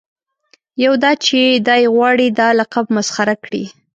یو دا چې دای غواړي دا لقب مسخره کړي.